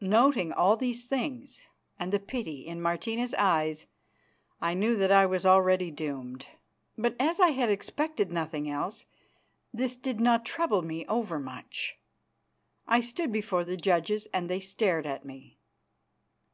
Noting all these things and the pity in Martina's eyes, I knew that I was already doomed, but as I had expected nothing else this did not trouble me over much. I stood before the judges, and they stared at me.